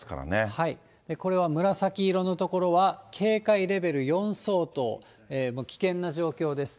これは紫色の所が警戒レベル４相当、危険な状況です。